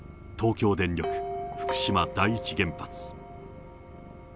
東京電力福島第一原発。